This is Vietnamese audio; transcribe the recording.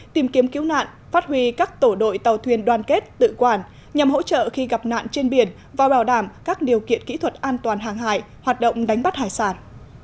tìm kiếm cứu nạn phát huy các tổ đội tàu thuyền đoan kết tự quản nhằm hỗ trợ khi gặp nạn trên biển và bảo đảm các điều kiện kỹ thuật an toàn hàng hải hoạt động đánh bắt hải sản